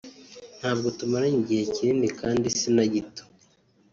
ntabwo tumaranye igihe kinini kandi sinagito